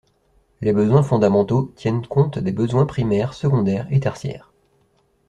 Les besoins fondamentaux tiennent compte des besoins primaires, secondaires et tertiaires.